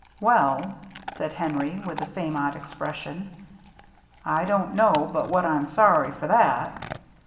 "Well," said Henry, with the same odd expression, " I don't know but what I'm sorry for that.